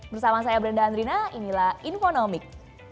bersama saya brenda andrina inilah infonomik